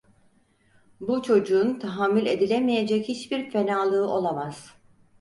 Bu çocuğun tahammül edilemeyecek hiçbir fenalığı olamaz.